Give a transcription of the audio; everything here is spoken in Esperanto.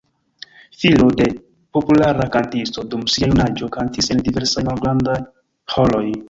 Filo de populara kantisto, dum sia junaĝo kantis en diversaj malgrandaj ĥoroj.